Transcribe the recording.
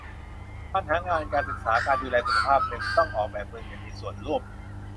การหางาน การศึกษา การดูแลสุขภาพ หนึ่ง ต้องออกแบบเมืองอย่างมีส่วนร่วม